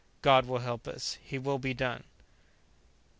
God will help us! His will be done!"